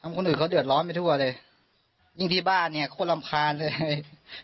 คนอื่นเขาเดือดร้อนไปทั่วเลยยิ่งที่บ้านเนี่ยคนรำคาญเลย